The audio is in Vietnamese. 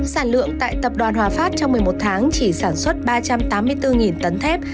sản lượng tại tập đoàn hòa phát trong một mươi một tháng chỉ sản xuất ba trăm tám mươi bốn tấn thép